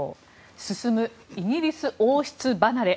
進むイギリス王室離れ。